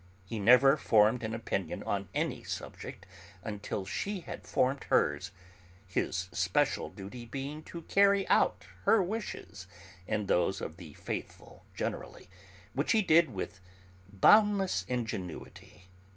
He never formed an opinion on any subject until she had formed hers, his special duty being to carry out her wishes and those of the 'faithful' generally, which he did with boundless ingenuity.